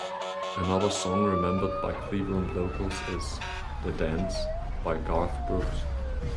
Another song remembered by Cleveland locals is "The Dance" by Garth Brooks.